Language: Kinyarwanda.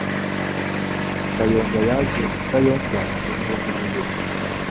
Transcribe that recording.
Kayonga yaje i Kayonza mubihumbi bibiri